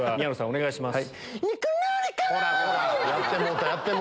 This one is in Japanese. お願いします。